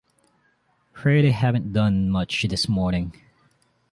'Fraid I haven't done much this morning.